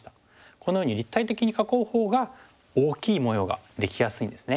このように立体的に囲うほうが大きい模様ができやすいんですね。